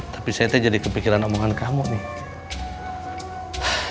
tapi saya tuh jadi kepikiran omongan kamu nih